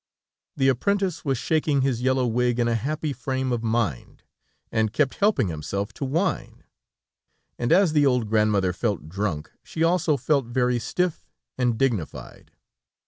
The apprentice was shaking his yellow wig in a happy frame of mind, and kept helping himself to wine, and as the old grandmother felt drunk, she also felt very stiff and dignified.